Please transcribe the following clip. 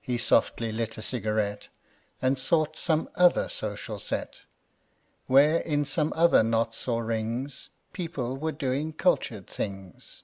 He softly lit a cigarette And sought some other social set Where, in some other knots or rings, People were doing cultured things.